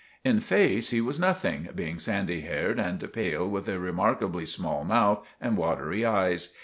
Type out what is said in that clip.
In face he was nothing, being sandy haired and pail with a remarkably small mouth and watery eyes.